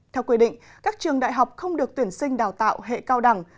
theo quy định các trường đại học không được tuyển sinh đào tạo hệ cao đẳng